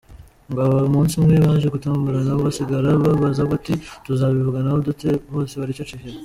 Ngo aba umunsi umwe, baje gutomborana basigara bibaza bati ‘tuzabivuganaho dute, bose baricecekera’.